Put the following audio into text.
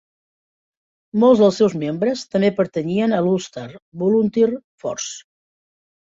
Molts dels seus membres també pertanyien a l'Ulster Volunteer Force.